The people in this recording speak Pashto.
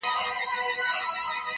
یو څو نومونه څو جنډۍ د شهیدانو پاته -